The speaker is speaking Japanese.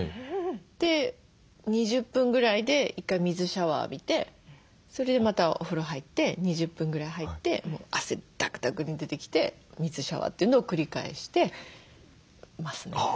で２０分ぐらいで１回水シャワー浴びてそれでまたお風呂入って２０分ぐらい入って汗だくだくに出てきて水シャワーっていうのを繰り返してますね。